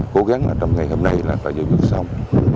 cố gắng trong ngày hôm nay là phải giải quyết xong